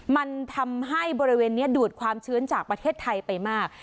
มันทำให้บริเวณนี้ดูดความชื้นจากประเทศไทยไปมาก